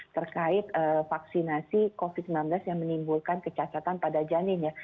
terkait vaksinasi covid sembilan belas yang menimbulkan kecasatan pada janinnya